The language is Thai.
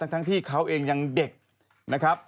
ทั้งที่เขาเองยังเด็กนะครับ